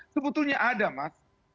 sebetulnya ada mas